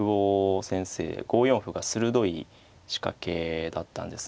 ５四歩が鋭い仕掛けだったんですね。